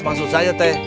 maksud saya teh